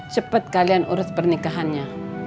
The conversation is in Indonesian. cepet kalian urus pernikahannya